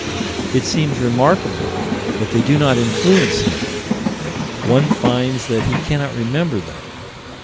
It seems remarkable that they do not influence him one finds that he cannot remember them.